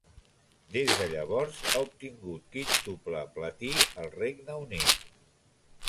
Des de llavors, ha obtingut quíntuple platí al Regne Unit.